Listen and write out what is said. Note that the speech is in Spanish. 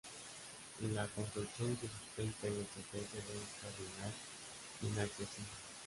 La construcción se sustenta en la existencia de un cardinal inaccesible.